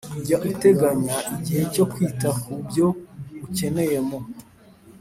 Jya uteganya igihe cyo kwita ku byo ukenera mu